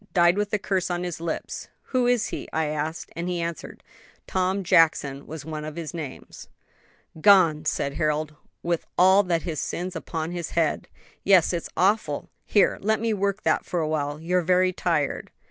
died with a curse on his lips.' 'Who is he?' I asked; and he answered, 'Tom Jackson was one of his names.'" "Gone!" said Harold, "and with all his sins upon his head." "Yes; it's awful! Here, let me work that for awhile. You're very tired."